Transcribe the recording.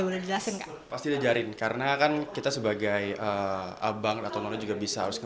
udah jelasin pasti diajarin karena kan kita sebagai abang atau nono juga bisa harus ke